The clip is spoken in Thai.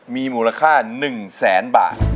มีมูลค่า๑แสนบาท